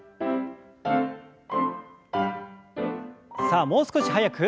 さあもう少し速く。